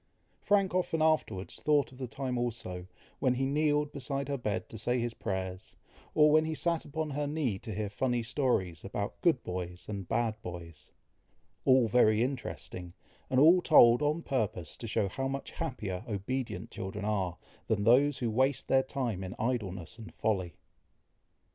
Frank often afterwards thought of the time also, when he kneeled beside her bed to say his prayers, or when he sat upon her knee to hear funny stories about good boys and bad boys all very interesting, and all told on purpose to show how much happier obedient children are, than those who waste their time in idleness and folly.